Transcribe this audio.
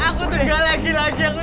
aku tunggu lagi lagi